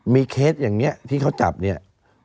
มีเคสอย่างนี้ที่เขาจับเนี่ย